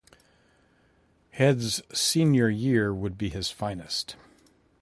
Head's senior year would be his finest.